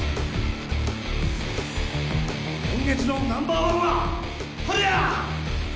今月のナンバーワンはハルヤ！